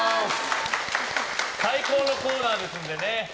最高のコーナーですのでね。